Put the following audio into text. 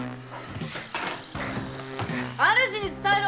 主に伝えろ！